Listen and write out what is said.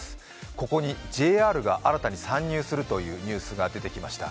ここにＪＲが新たに参入するというニュースが出てきました。